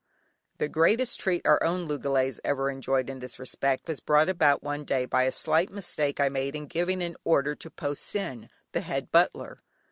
The greatest treat our own loogalays ever enjoyed in this respect was brought about one day by a slight mistake I made in giving an order to Po Sin, the head butler.